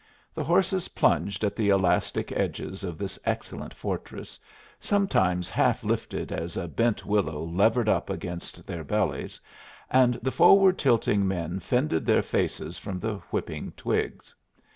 The horses plunged at the elastic edges of this excellent fortress, sometimes half lifted as a bent willow levered up against their bellies, and the forward tilting men fended their faces from the whipping twigs.